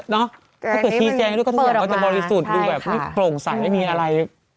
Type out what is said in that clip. ถ้าเกิดชี้แจงด้วยก็ส่วนใหญ่ก็จะบริสุทธิ์ดูแบบไม่โปร่งใสไม่มีอะไร